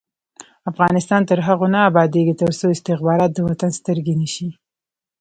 افغانستان تر هغو نه ابادیږي، ترڅو استخبارات د وطن سترګې نشي.